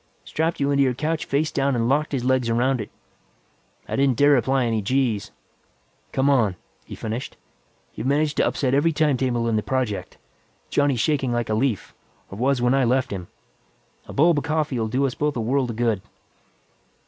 "Strapped you into your couch face down and locked his legs around it. I didn't dare apply any g's. Come on," he finished, "you've managed to upset every timetable in the project. Johnny's shaking like a leaf, or was when I left him. A bulb of coffee will do us both a world of good."